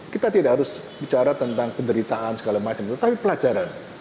kita tidak harus bicara tentang penderitaan segala macam tetapi pelajaran